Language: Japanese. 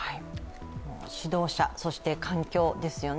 指導者、そして環境ですよね。